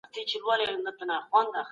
په خيټو کي د اور ځای کول ډېر بد کار دی.